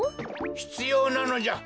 ひつようなのじゃ。